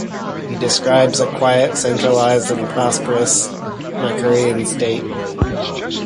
He describes a quite centralized and prosperous Makurian state.